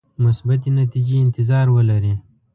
مثبتې نتیجې انتظار ولري.